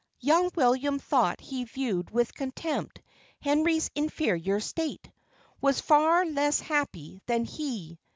Young William, though he viewed with contempt Henry's inferior state, was far less happy than he.